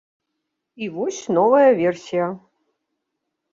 І вось новая версія.